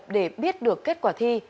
để biết được kết quả thi